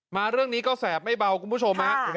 มาเรื่องนี้ก็แสบไม่เบาคุณผู้ชมฮะ